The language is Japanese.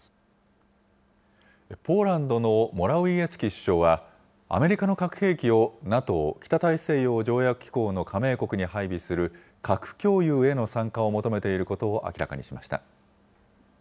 ポーランドのモラウィエツキ首相は、アメリカの核兵器をＮＡＴＯ・北大西洋条約機構の加盟国に配備する、核共有への参加を求めていることを明らかにしました。